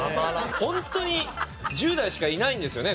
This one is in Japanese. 本当に１０代しかいないんですよね？